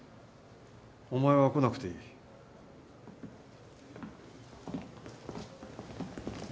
お前は来なくていい。